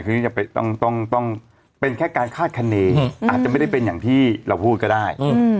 คือนี่จะต้องเป็นแค่การคาดคณีอาจจะไม่ได้เป็นอย่างที่เราพูดก็ได้